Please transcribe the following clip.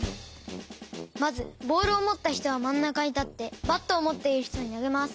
まずボールをもったひとはまんなかにたってバットをもっているひとになげます。